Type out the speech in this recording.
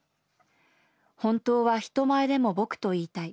本当は人前でもボクと言いたい。